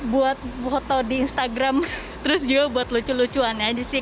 buat foto di instagram terus juga buat lucu lucuan aja sih